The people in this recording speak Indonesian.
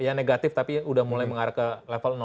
ya negatif tapi udah mulai mengarah ke level